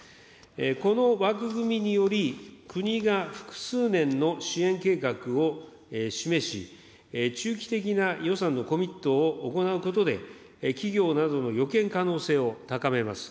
この枠組みにより、国が複数年の支援計画を示し、中期的な予算のコミットを行うことで、企業などの予見可能性を高めます。